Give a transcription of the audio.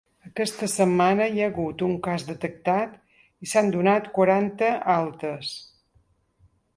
Aquesta setmana, hi ha hagut un cas detectat i s’han donat quaranta altes.